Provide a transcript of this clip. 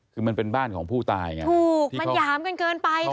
คือมันเป็นบ้านของผู้ตายไงถูกมันหยามกันเกินไป